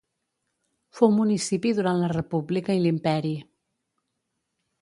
Fou municipi durant la república i l'imperi.